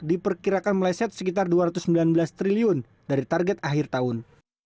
diperkirakan meleset sekitar dua ratus sembilan belas triliun dari target akhir tahun